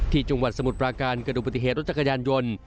ที่จังหวัดสมุทรปลาการกระดุบตีเหตุรถจักรยานยนต์